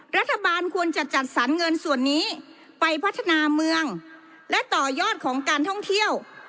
รัฐบาลควรจะจัดสรรเงินส่วนนี้ไปพัฒนาเมืองและต่อยอดของการท่องเที่ยว